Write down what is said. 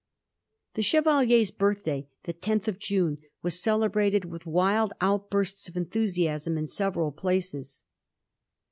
The Chevalier's birthday — the tenth of June — was celebrated with wild outbursts of enthu siasm in several places.